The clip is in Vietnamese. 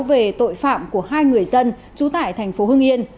về tội phạm của hai người dân trú tại tp hương yên